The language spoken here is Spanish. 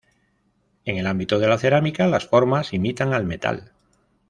En el ámbito de la cerámica, las formas imitan al metal.